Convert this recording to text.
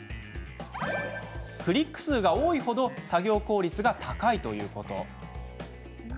クリック数が多い程作業効率が高いということ。